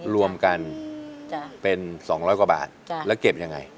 รวมกันเป็น๒๐๐กว่าบาทแล้วเก็บยังไง